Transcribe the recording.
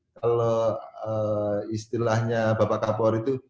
kalau istilahnya bapak kapolri itu